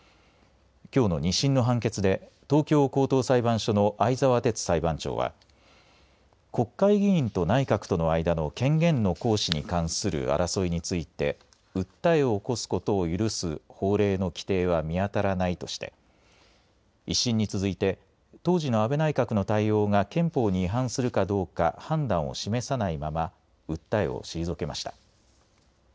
きょうの２審の判決で東京高等裁判所の相澤哲裁判長は国会議員と内閣との間の権限の行使に関する争いについて訴えを起こすことを許す法令の規定は見当たらないとして１審に続いて当時の安倍内閣の対応が憲法に違反するかどうか判断を示さないまま訴えを退けました。